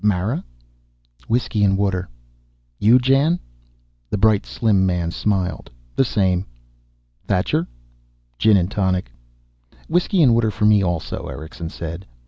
Mara?" "Whiskey and water." "You, Jan?" The bright slim man smiled. "The same." "Thacher?" "Gin and tonic." "Whiskey and water for me, also," Erickson said.